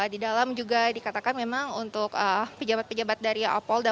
di dalam juga dikatakan memang untuk pejabat pejabat dari polda